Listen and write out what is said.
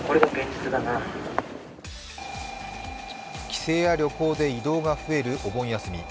帰省や旅行で移動が増えるお盆休み。